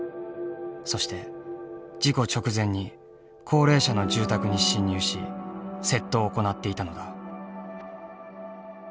そして事故直前に高齢者の住宅に侵入し窃盗を行っていたのだ。